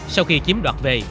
sau khi chiếm đoạt về